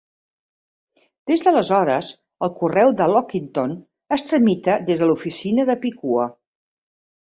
Des d'aleshores, el correu de Lockington es tramita des de l'oficina de Piqua.